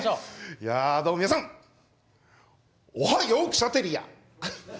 いやどうも皆さんおはヨークシャテリア。